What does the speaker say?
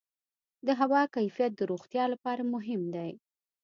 د هوا کیفیت د روغتیا لپاره مهم دی.